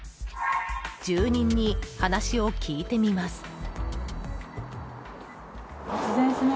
住人に話を聞いてみます。